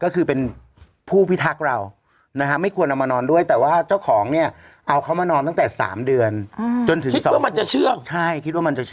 คุณดูอ๋อตัวใหญ่ตัวใหญ่มาก